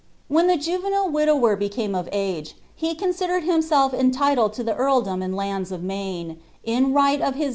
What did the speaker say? When the juvenile widower became of age, he consi ' >Tt d hinmelf entitled lo the earldom and lands of Maine, in right of his i!